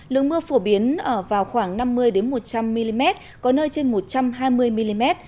lượng mưa phổ biến vào khoảng năm mươi một trăm linh mm có nơi trên một trăm hai mươi mm